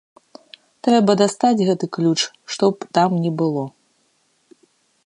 Трэба дастаць гэты ключ што б там ні было!